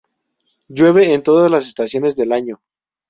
Llueve en todas las estaciones del año.